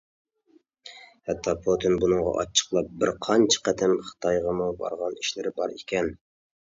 ھەتتا پۇتىن بۇنىڭغا ئاچچىقلاپ بىر قانچە قېتىم خىتايغىمۇ بارغان ئىشلىرى بار ئىكەن.